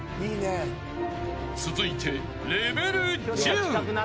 続いてレベル１０。